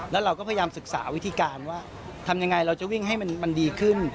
แล้วเราก็พยายามศึกษาวิธีการว่าทำยังไงเราจะวิ่งให้มันดีขึ้น